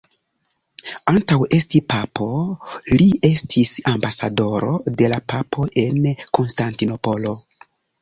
Antaŭ esti papo, li estis ambasadoro de la papo en Konstantinopolo.